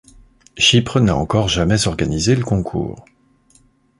Chypre n'a encore jamais organisé le concours.